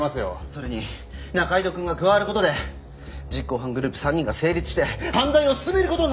それに仲井戸くんが加わる事で実行犯グループ３人が成立して犯罪を進める事になる！